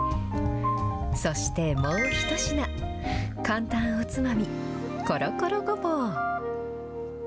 そしてもう１品、簡単おつまみ、コロコロごぼう。